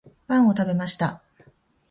パンを食べました